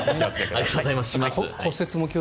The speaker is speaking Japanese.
ありがとうございます。